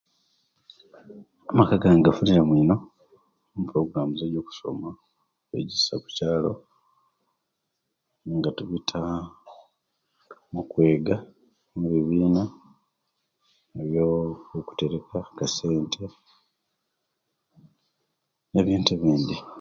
Amaka gange gafunire mu ino mu porogurumusi gyo'kusoma okukyalo nga tubita mukwega mubibina byo kutereka esente nebintu ebindi